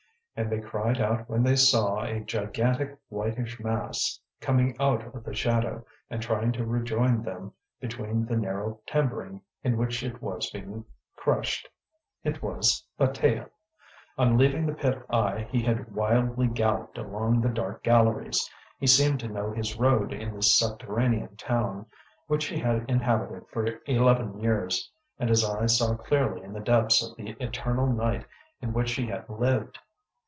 And they cried out when they saw a gigantic whitish mass coming out of the shadow and trying to rejoin them between the narrow timbering in which it was being crushed. It was Bataille. On leaving the pit eye he had wildly galloped along the dark galleries. He seemed to know his road in this subterranean town which he had inhabited for eleven years, and his eyes saw clearly in the depths of the eternal night in which he had lived.